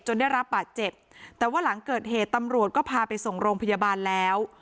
ได้รับบาดเจ็บแต่ว่าหลังเกิดเหตุตำรวจก็พาไปส่งโรงพยาบาลแล้ว